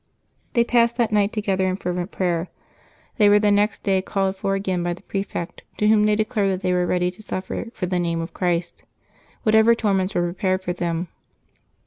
They passed that night together in fervent prayer. They were the next day called for again by the prefect, to whom they declared that they were ready to suffer for the name of Christ whatever torments were prepared for them.